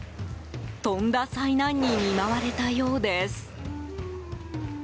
とんだ災難に見舞われたようです。